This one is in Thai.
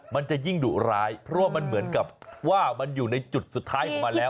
มันจะยิ่งดุร้ายเพราะว่ามันเหมือนกับว่ามันอยู่ในจุดสุดท้ายของมันแล้ว